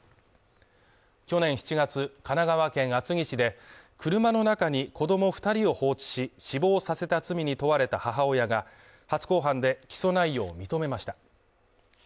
去年７月神奈川県厚木市で車の中に子供２人を放置し、死亡させた罪に問われた母親が、初公判で起訴内容を認めました。